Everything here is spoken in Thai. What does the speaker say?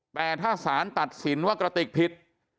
แต่ถ้าสารตัดสินว่ากระติกผิด